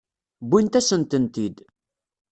Wwint-asen-tent-id.